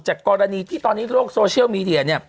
กรณีที่ตอนนี้โลกโซเชียลมีเดียเนี่ย